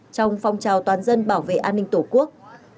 trong phong trào toàn dân bảo vệ an ninh tổ quốc